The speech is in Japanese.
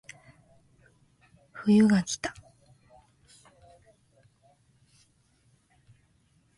冬がきた